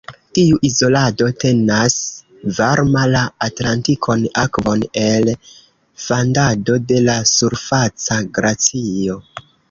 Tiu izolado tenas varma la Atlantikon Akvon el fandado de la surfaca glacio.